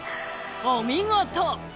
お見事！